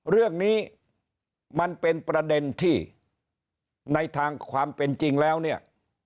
เรื่องนี้มันเป็นประเด็นที่ในทางความเป็นจริงแล้วเนี่ย